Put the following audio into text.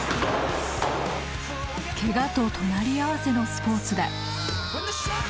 ケガと隣り合わせのスポーツだ。